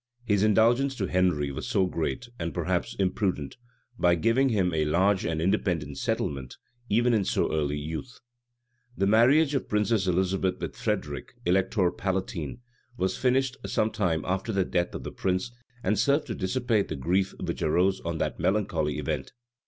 His indulgence to Henry was great, and perhaps imprudent, by giving him a large and independent settlement, even in so early youth. * Kennet, p. 690. Coke, p. 37. Welwood, p. 272 {1613.} The marriage of the princess Elizabeth with Frederic, elector palatine, was finished some time after the death of the prince, and served to dissipate the grief which arose on that melancholy event.